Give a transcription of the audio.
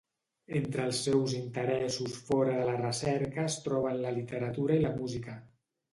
Entre els seus interessos fora de la recerca es troben la literatura i la música.